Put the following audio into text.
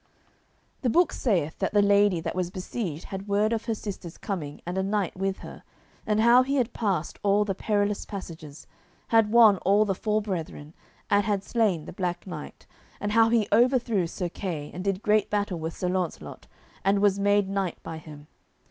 The book saith that the lady that was besieged had word of her sister's coming and a knight with her, and how he had passed all the perilous passages, had won all the four brethren, and had slain the Black Knight, and how he overthrew Sir Kay, and did great battle with Sir Launcelot, and was made knight by him.